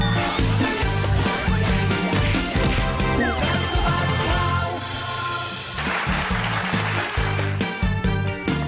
สวัสดีครับคุณชิสา